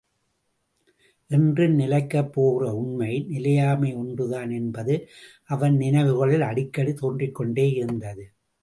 என்றும் நிலைக்கப் போகிற உண்மை, நிலையாமை ஒன்றுதான் என்பது அவன் நினைவுகளில் அடிக்கடி தோன்றிக்கொண்டே இருந்தது.